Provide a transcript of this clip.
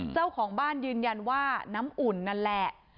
เจ้าของบ้านยืนยันว่าน้ำอุ่นนั่นแหละ